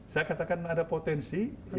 saya katakan ada potensi itu berarti